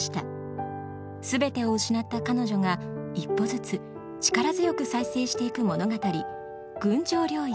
全てを失った彼女が一歩ずつ力強く再生していく物語「群青領域」